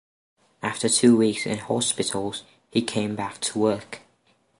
After two weeks in hospitals, he came back to work.